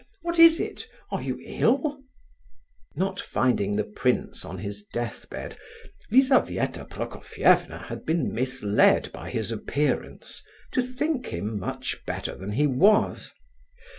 What is it? Are you ill?" Not finding the prince on his death bed, Lizabetha Prokofievna had been misled by his appearance to think him much better than he was.